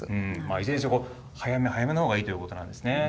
いずれにしても早め早めのほうがいいということなんですね。